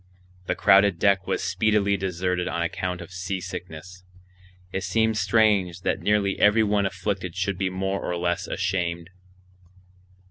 The crowded deck was speedily deserted on account of seasickness. It seemed strange that nearly every one afflicted should be more or less ashamed.